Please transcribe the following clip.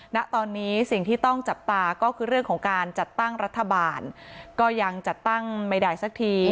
ณตอนนี้สิ่งที่ต้องจับตาก็คือเรื่องของการจัดตั้งรัฐบาลก็ยังจัดตั้งไม่ได้สักที